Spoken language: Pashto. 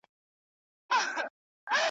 وي به درې کلنه ماته ښکاري میاشتنۍ ,